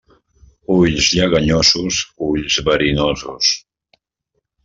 Ulls lleganyosos, ulls verinosos.